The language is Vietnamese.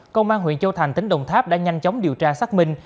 công an huyện châu thành tỉnh đồng tháp đã nhanh chóng điều tra xác minh